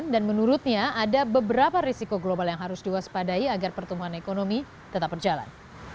dan menurutnya ada beberapa risiko global yang harus diwaspadai agar pertumbuhan ekonomi tetap berjalan